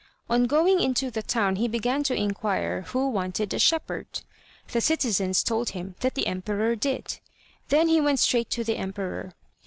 On going into the town he began to inquire who wanted a shepherd. The citizens told him that the emperor did. Then he went straight to the emperor.